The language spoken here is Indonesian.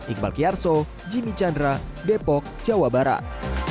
iqbal kiarso jimmy chandra depok jawa barat